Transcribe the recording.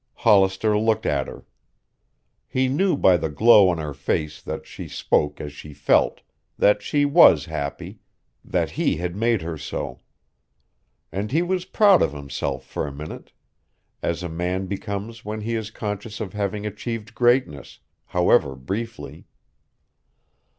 Hollister looked at her. He knew by the glow on her face that she spoke as she felt, that she was happy, that he had made her so. And he was proud of himself for a minute, as a man becomes when he is conscious of having achieved greatness, however briefly.